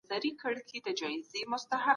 حقیقت ووایه.